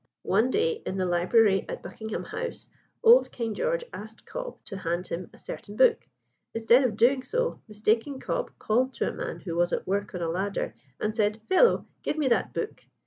One day in the library at Buckingham House, old King George asked Cobb to hand him a certain book. Instead of doing so, mistaken Cobb called to a man who was at work on a ladder, and said, "Fellow, give me that book."